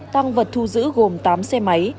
tăng vật thu giữ gồm tám xe máy